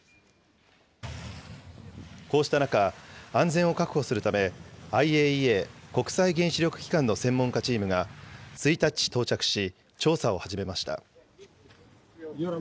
こうした中、安全を確保するため、ＩＡＥＡ・国際原子力機関の専門家チームが１日、到着し、調査を始めました。